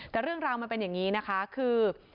ก็ร่วมเป็นอย่างนี้นะคะคือ